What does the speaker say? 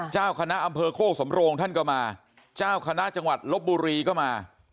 เจ้าคณะอำเภอโคกสำโรงท่านก็มาเจ้าคณะจังหวัดลบบุรีก็มา